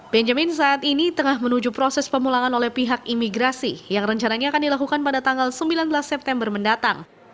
benjamin saat ini tengah menuju proses pemulangan oleh pihak imigrasi yang rencananya akan dilakukan pada tanggal sembilan belas september mendatang